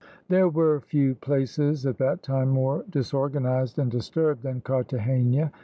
There were few places at that time more disorganised and disturbed than Carthagena.